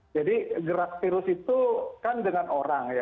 jadi gerak virus itu kan dengan orang ya